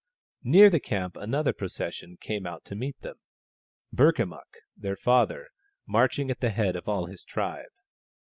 Near the camp another procession came out to meet them : Burkamukk, their father, marching at the head of all his tribe.